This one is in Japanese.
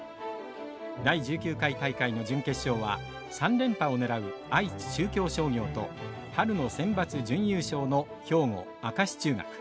第１９回大会の準決勝は３連覇を狙う愛知中京商業と春のセンバツ準優勝の兵庫明石中学。